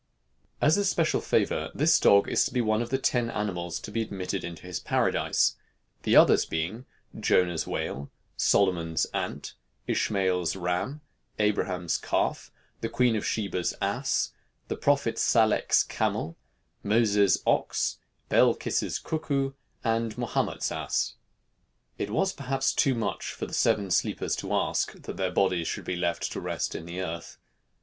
As a special favor this dog is to be one of the ten animals to be admitted into his paradise, the others being Jonah's whale, Solomon's ant, Ishmael's ram, Abraham's calf, the Queen of Sheba's ass, the prophet Salech's camel, Moses' ox, Belkis' cuckoo, and Mahomet's ass. It was perhaps too much for the Seven Sleepers to ask, that their bodies should be left to rest in earth.